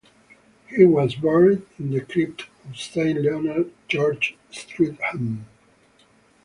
He was buried in the crypt of Saint Leonards Church, Streatham.